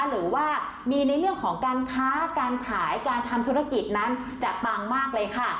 หรือว่ามีในเรื่องของการค้าการขายการทำธุรกิจนั้นจะปังมากเลยค่ะ